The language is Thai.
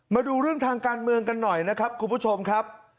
มาดูเรื่องทางการเมืองกันหน่อยนะครับคุณผู้ชมครับ